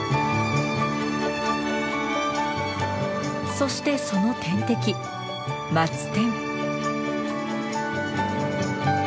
そしてその天敵マツテン。